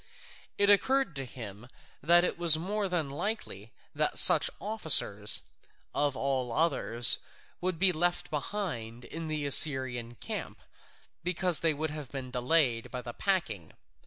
It occurred to him it was more than likely that such officers, of all others, would be left behind in the Assyrian camp, because they would have been delayed by the packing.